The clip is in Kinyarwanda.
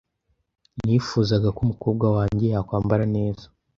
Nifuzaga ko umukobwa wanjye yakwambara neza .